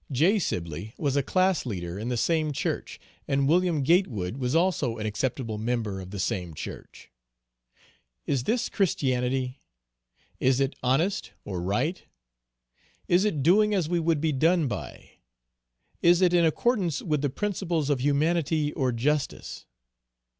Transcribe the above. J. Sibley was a class leader in the same church; and Wm. Gatewood was also an acceptable member of the same church. Is this Christianity? Is it honest or right? Is it doing as we would be done by? Is it in accordance with the principles of humanity or justice?